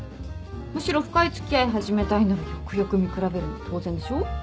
むしろ深い付き合い始めたいならよくよく見比べるの当然でしょ。